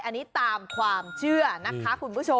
อันนี้ตามความเชื่อนะคะ